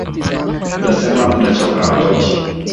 Mtasema mtachoka hatoki.